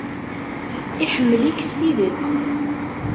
Iḥemmel-ik s tidet.